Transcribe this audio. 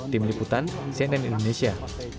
tim liputan cnn indonesia